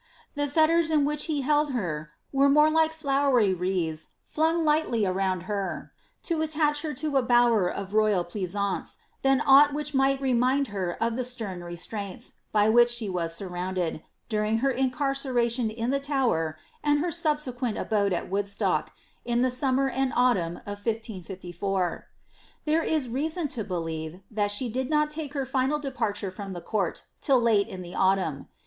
The tiers in which he held her were more like fiowery wreathe fiung [htly round her, to attach her to a bower of royal pleasaunce, than gfat which might remind her of the stem restraints, by which she was rronnded, during her incarceration in the Tower, and her subsequent lode at Woodstock in the summer and autumn of 1554. There is rea m to believe, that she did not take her final departure from the court J late in the autumn.